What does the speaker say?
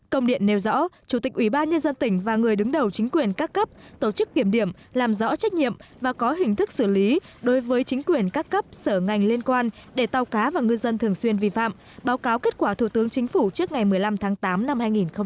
công điện nêu rõ chủ tịch ủy ban nhân dân tỉnh và người đứng đầu chính quyền các cấp tổ chức kiểm điểm làm rõ trách nhiệm và có hình thức xử lý đối với chính quyền các cấp sở ngành liên quan để tàu cá và ngư dân thường xuyên vi phạm báo cáo kết quả thủ tướng chính phủ trước ngày một mươi năm tháng tám năm hai nghìn một mươi chín